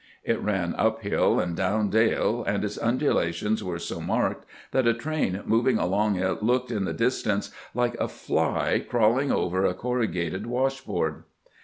It ran up hiU and down dale, and its undulations were so marked that a train moving along it looked in the distance like a fly crawling over a cor rugated washboard.